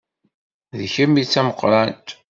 D kemm i d tameqqrant.